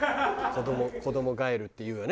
子ども返るっていうよね